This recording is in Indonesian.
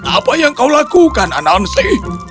apa yang kau lakukan anansi